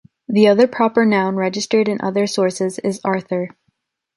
The other proper noun registered in other sources is Arthur.